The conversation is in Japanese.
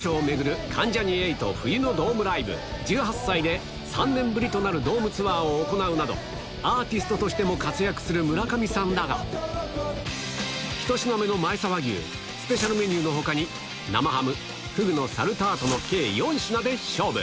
そして全国４か所を巡る関ジャニ∞冬のドームＬＩＶＥ１８祭で３年ぶりとなるドームツアーを行うなど、アーティストとしても活躍する村上さんだが、１品目の前沢牛、スペシャルメニューのほかに、生ハム、フグのサルタートの計４品で勝負。